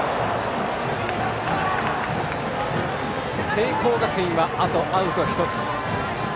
聖光学院はあとアウト１つ。